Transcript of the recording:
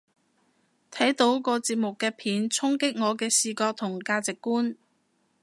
睇到個節目啲片衝擊我嘅視覺同價值觀